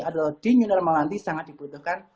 atau di new normal nanti sangat dibutuhkan